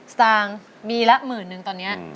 สตางค์มีละหมื่นนึงตอนนี้